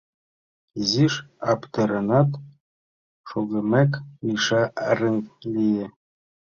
Изиш аптыранен шогымек, Миша рыҥ лие.